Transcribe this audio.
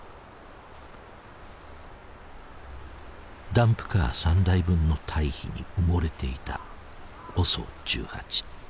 ダンプカー３台分の堆肥に埋もれていたＯＳＯ１８。